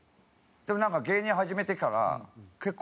でも芸人始めてから結構。